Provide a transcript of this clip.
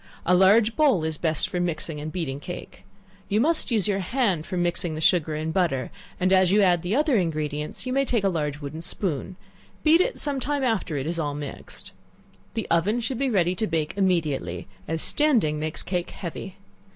A large bowl is best for mixing and beating cake. You must use your hand for mixing the sugar and butter, and as you add the other ingredients, you may take a large wooden spoon; beat it some time after all is mixed. The oven should be ready to bake immediately, as standing makes cake heavy.